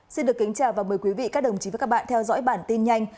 xin được kính chào và mời quý vị các đồng chí và các bạn theo dõi bản tin nhanh